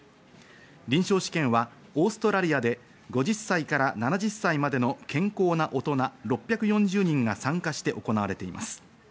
臨床試験はオーストラリアで５０歳から７０歳までの健康な大人６４０人が参加して行われています。